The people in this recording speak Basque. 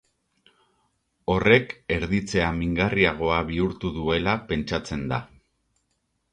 Horrek, erditzea mingarriagoa bihurtu duela pentsatzen da.